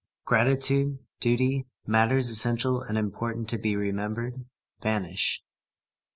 Gratitude, duty, matters essential and important to be remembered, vanish.